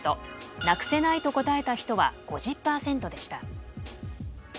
「なくせない」と答えた人は５０％でした。